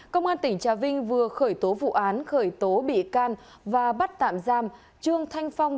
công an tỉnh trà vinh vừa khởi tố vụ án khởi tố bị can và bắt tạm giam trương thanh phong